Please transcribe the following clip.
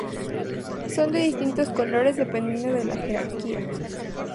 Son de distintos colores dependiendo de la jerarquía.